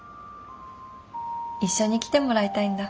一緒に来てもらいたいんだ？